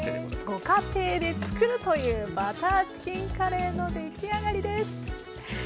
ご家庭で作るというバターチキンカレーの出来上がりです。